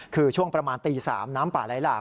คือช่วงประมาณตี๓น้ำป่าไหลหลาก